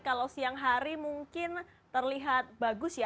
kalau siang hari mungkin terlihat bagus ya